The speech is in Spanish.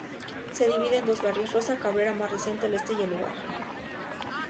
Se divide en dos barrios: Rosa Cabrera, más reciente, al este y El Lugar.